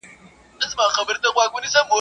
لکه راغلی چي له خیبر یې.